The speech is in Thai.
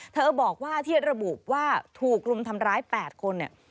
เธอบอกว่าที่ระบุว่าถูกรุมทำร้าย๘คนเนี่ย